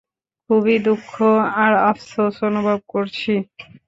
খুবই দুঃখ আর আফসোস অনুভব করছি।